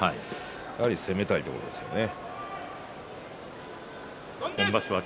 やはり攻めたいところですね。